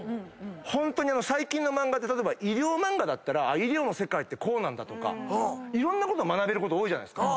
ホントに最近の漫画で例えば医療漫画だったら医療の世界ってこうなんだとかいろんなこと学べること多いじゃないですか。